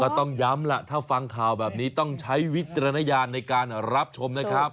ต้องย้ำล่ะถ้าฟังข่าวแบบนี้ต้องใช้วิจารณญาณในการรับชมนะครับ